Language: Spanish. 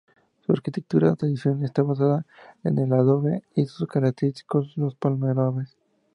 Su arquitectura tradicional está basada en el adobe y son característicos los palomares.